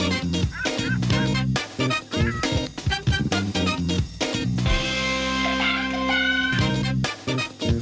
หรือเหรออยู่จะกลับบ้านแล้วเนี่ย